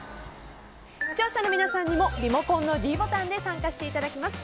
視聴者の皆さんにもリモコンのｄボタンで参加していただきます。